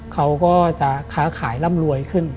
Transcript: เขาก็จะค้าขายร่ำรวยขึ้น